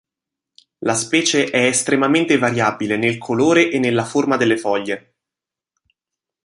La specie è estremamente variabile nel colore e nella forma delle foglie.